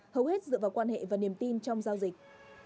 hầu hết dựa vào quan hệ và niềm tin trong giao dịch